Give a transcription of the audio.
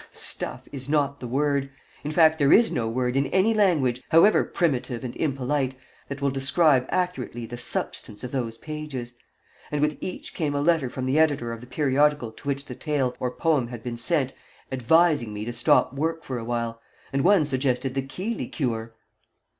Stuff is not the word in fact, there is no word in any language, however primitive and impolite, that will describe accurately the substance of those pages. And with each came a letter from the editor of the periodical to which the tale or poem had been sent advising me to stop work for a while, and one _suggested the Keeley cure!